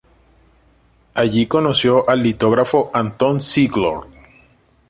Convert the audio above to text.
Allí conoció al litógrafo Anton Ziegler.